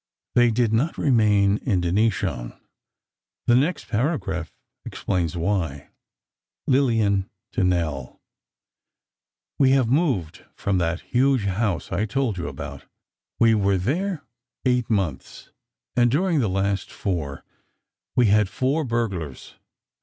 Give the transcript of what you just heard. They did not remain in Denishawn; the next paragraph explains why. Lillian to Nell: We have moved from that huge house I told you about. We were there eight months, and during the last four, we had four burglars.